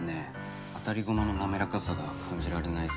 あたりごまの滑らかさが感じられないっす。